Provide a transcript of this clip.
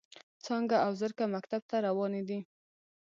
څانګه او زرکه مکتب ته روانې دي.